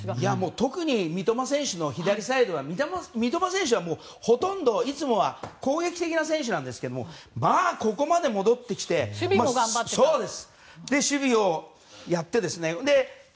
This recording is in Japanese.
特に三笘選手の左サイドは三笘選手はほとんどいつもは攻撃的な選手なんですけれどもまあ、ここまで戻ってきて守備も頑張ってました。